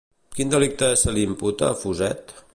Quin delicte se li imputa a Fuset?